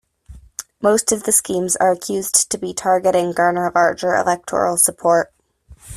Most of the schemes are accused to be targeting garner larger electoral support.